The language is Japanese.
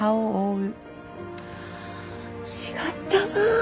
違ったな。